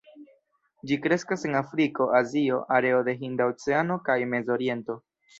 Ĝi kreskas en Afriko, Azio, areo de Hinda Oceano kaj Mez-Oriento.